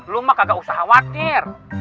lu mah kagak usah khawatir